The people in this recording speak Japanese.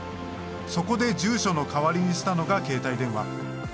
そこで住所の代わりにしたのが携帯電話。